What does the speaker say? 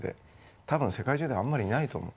多分世界中であんまりいないと思う。